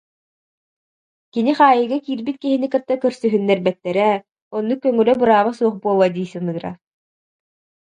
Кини хаайыыга киирбит киһини кытта көрсүһүннэрбэттэрэ, оннук көҥүлэ, бырааба суох буолуо дии саныыра